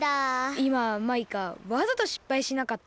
いまマイカわざとしっぱいしなかった？